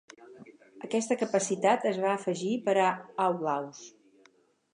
Aquesta capacitat es va afegir per a "Outlaws".